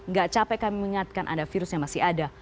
nggak capek kami mengingatkan anda virusnya masih ada